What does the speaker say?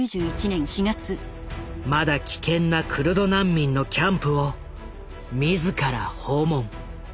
まだ危険なクルド難民のキャンプを自ら訪問。